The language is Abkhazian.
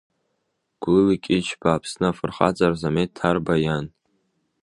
Гәыли Кьычба, Аԥсны Афырхаҵа Арзамеҭ Ҭарба иан.